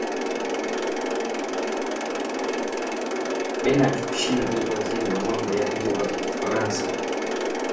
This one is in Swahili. benerd kushina ni waziri wa mambo ya nje wa ufaransa